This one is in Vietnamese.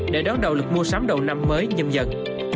để đón đầu lực mua sắm đầu năm mới nhâm dần